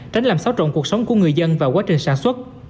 tránh làm xáo trộn cuộc sống của người dân và quá trình sản xuất